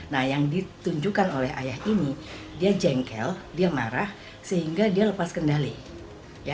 nah yang ditunjukkan oleh ayah ini dia jengkel dia marah sehingga dia lepas kendali